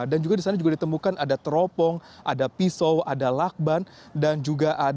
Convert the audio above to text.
dan juga di sana juga ditemukan ada teropong ada pisau ada lakban dan juga ada sepatu tas jaket